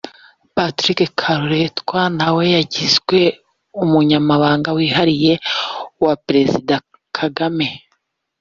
Lt Col Patrick Karuretwa nawe yagizwe umunyamabanga wihariye wa Perezida Kagame